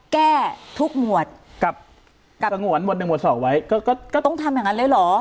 แก้ทุกหมวดกับสงวนหวดหนึ่งหวดสองไว้ก็ก็ต้องทำอย่างนั้นเลยเหรอ